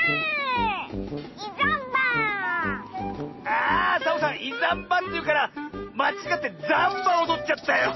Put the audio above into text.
あサボさん「いざんば」っていうからまちがってザンバおどっちゃったよ。